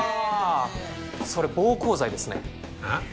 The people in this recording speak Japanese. それ暴行罪ですねあっ？